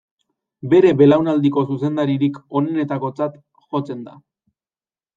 Bere belaunaldiko zuzendaririk onenetakotzat jotzen da.